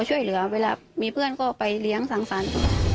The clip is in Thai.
เวลามีเพื่อนก็ไปเลี้ยงสั่งสรรค์